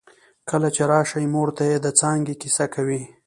کله چې راشې مور ته يې د څانګې کیسه کوي